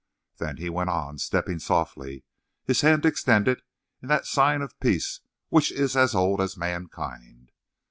Then he went on, stepping softly, his hand extended in that sign of peace which is as old as mankind.